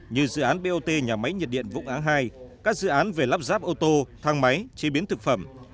như dự án bot nhà máy nhiệt điện vũng áng hai các dự án về lắp ráp ô tô thang máy chế biến thực phẩm